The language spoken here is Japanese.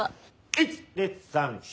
１２３４。